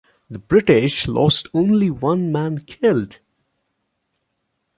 The British lost only one man killed.